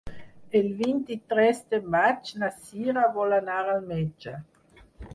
El vint-i-tres de maig na Sira vol anar al metge.